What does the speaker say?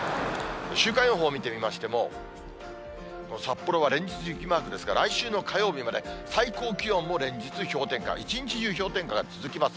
週間予報見てみましても、札幌は連日雪マークですから、来週の火曜日まで、最高気温も連日氷点下、一日中、氷点下が続きます。